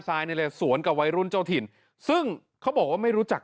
นี่แหละสวนกับวัยรุ่นเจ้าถิ่นซึ่งเขาบอกว่าไม่รู้จัก